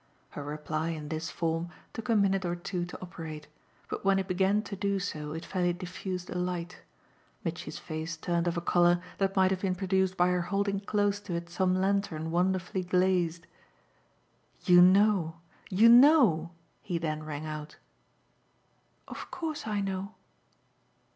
Her reply, in this form, took a minute or two to operate, but when it began to do so it fairly diffused a light. Mitchy's face turned of a colour that might have been produced by her holding close to it some lantern wonderfully glazed. "You know, you know!" he then rang out. "Of course I know."